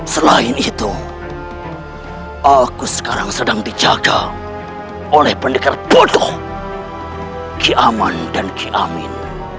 selain itu aku sekarang sedang dijaga oleh pendekar bodoh ki aman dan kiamin